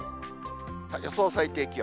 予想最低気温。